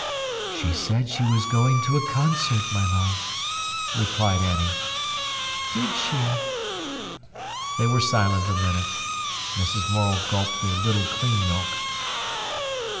"She said she was going to a concert, my love," replied Annie. "Did she?" They were silent a minute. Mrs. Morel gulped the little clean milk.